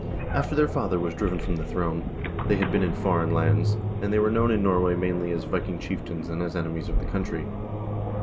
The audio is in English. After their father was driven from the throne, they had been in foreign lands, and they were known in Norway mainly as Viking chieftains and as enemies of the country.